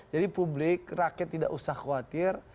jadi publik rakyat tidak usah khawatir